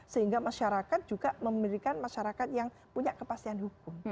sehingga masyarakat juga memberikan masyarakat yang punya kepastian hukum